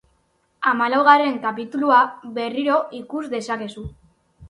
Hamalaugarren kapitulua berriro ikus dezakezu.